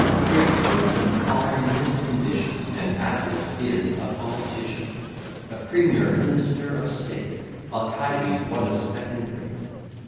Great statesmen are in this condition; And Atlas is a politician, A premier minister of state; Alcides one of second rate.